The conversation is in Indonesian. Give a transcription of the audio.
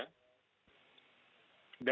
kita lihat saja data tahun lalu ya